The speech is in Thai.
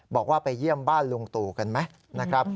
บอกว่าไปเยี่ยมบ้านลุงตูกันไหม